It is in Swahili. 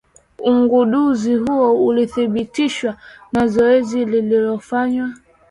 Ugunduzi huo ulithibitishwa na zoezi lililofanywa.